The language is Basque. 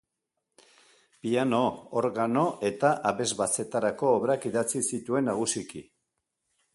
Piano, organo eta abesbatzetarako obrak idatzi zituen nagusiki.